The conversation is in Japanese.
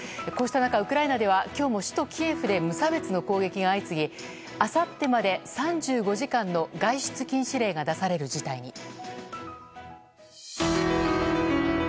こうした中、ウクライナでは今日も首都キエフで無差別の攻撃が相次ぎあさってまで３５時間の外出禁止令が出される事態に。